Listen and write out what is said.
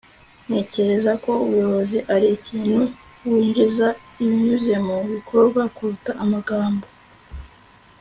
ntekereza ko ubuyobozi ari ikintu winjiza, binyuze mu bikorwa kuruta amagambo. - ander crenshaw